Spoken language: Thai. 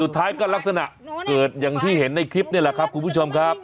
สุดท้ายก็ลักษณะเกิดอย่างที่เห็นในคลิปนี่แหละครับคุณผู้ชมครับ